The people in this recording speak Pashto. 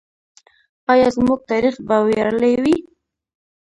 آیا زموږ تاریخ به ویاړلی وي؟